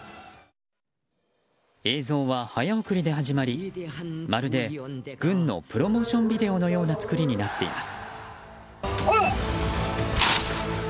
映像は早送りで始まりまるで軍のプロモーションビデオのような作りになっています。